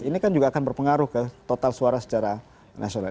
ini kan juga akan berpengaruh ke total suara secara nasional